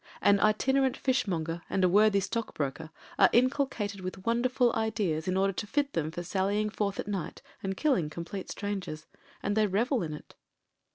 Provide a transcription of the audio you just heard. An itinerant fishmonger and a worthy stockbroker are inculcated with wonderful ideals in order to fit them for sallying forth at night and killing complete strangers. And they revel in it.